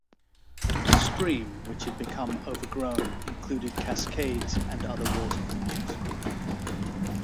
The stream, which had become overgrown, included cascades and other water features.